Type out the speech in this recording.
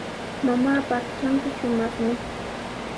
Mamaapa aqchanqa shumaqmi.